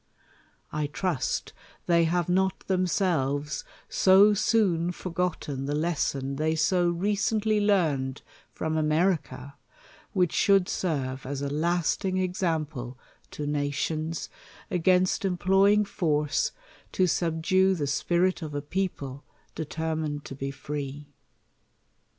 1 trust they have not themselves so soon forgotten the lesson they so recently learned from America, which should serve as a lasting examplelo nations, against employing force to subdue the spirit of a people, determined to be free